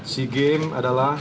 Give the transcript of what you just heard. sea games adalah